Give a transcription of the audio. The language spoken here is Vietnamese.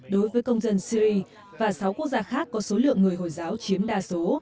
đối với công dân syri và sáu quốc gia khác có số lượng người hồi giáo chiếm đa số